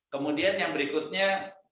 kemudian yang berikutnya